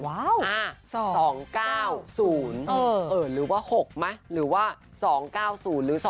ว้าวอ่า๒๙๐หรือว่า๖มั้ยหรือว่า๒๙๐หรือ๒๐๙